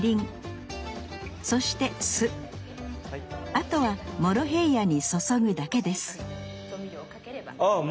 あとはモロヘイヤに注ぐだけですあっ